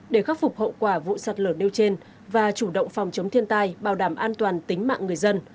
để khắc phục hậu quả vụ sạt lở nêu trên và chủ động phòng chống thiên tai bảo đảm an toàn tính mạng người dân